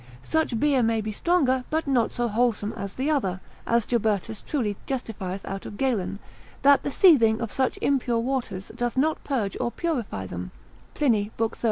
Such beer may be stronger, but not so wholesome as the other, as Jobertus truly justifieth out of Galen, Paradox, dec. 1. Paradox 5, that the seething of such impure waters doth not purge or purify them, Pliny, lib.